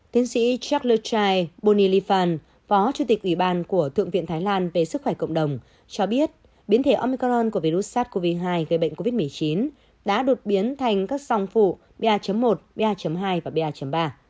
tiến sĩ charlechair bonilifan phó chủ tịch ủy ban của thượng viện thái lan về sức khỏe cộng đồng cho biết biến thể omicron của virus sars cov hai gây bệnh covid một mươi chín đã đột biến thành các song phụ ba một ba hai và ba ba